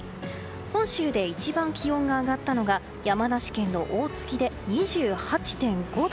本州で一番気温が上がったのが山梨県の大月で２８．５度。